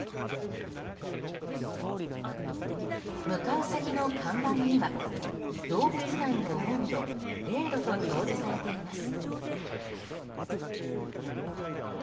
向かう先の看板には「洞窟内の温度０度」と表示されています。